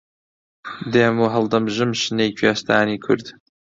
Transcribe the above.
دێم و هەڵدەمژم شنەی کوێستانی کورد